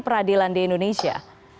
peradilan di indonesia